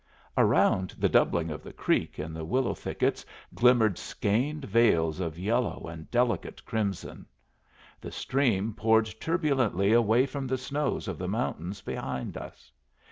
Around the doubling of the creek in the willow thickets glimmered skeined veils of yellow and delicate crimson. The stream poured turbulently away from the snows of the mountains behind us.